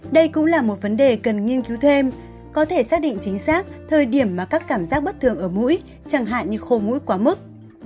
đây cũng là một vấn đề cần nghiên cứu thêm có thể xác định chính xác thời điểm mà các cảm giác bất thường ở mũi chẳng hạn như khô mũi quá mức